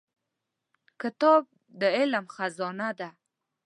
کتاب د علم خزانه ده.